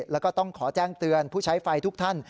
แล้วก็ต้องขอแจ้งเตือนผู้ใช้ไฟทุกท่าน